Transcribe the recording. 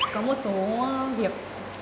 có một số việc